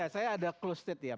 saya ada close state ya